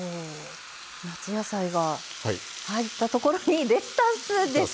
夏野菜が入ったところにレタスです！